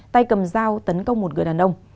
tay cầm dao tấn công một người đàn ông